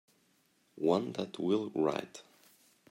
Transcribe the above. One that will write.